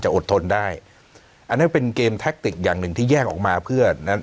อดทนได้อันนั้นเป็นเกมแท็กติกอย่างหนึ่งที่แยกออกมาเพื่อนั้น